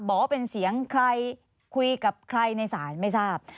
บอกว่าเป็นเสียงใครคุยกับใครในศาลไม่ทราบ